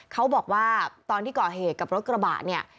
เขาบอกว่าตอนที่ก่อเหตุกับรถกระบะเนี่ย